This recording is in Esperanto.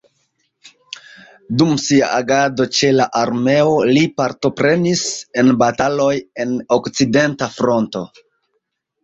Dum sia agado ĉe la armeo li partoprenis en bataloj en okcidenta fronto.